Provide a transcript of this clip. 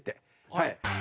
はい。